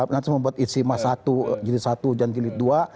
nanti saya membuat istimewa satu jenis satu jantinit dua